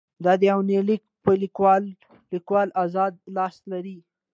د دې يونليک په ليکلوکې ليکوال اذاد لاس لري.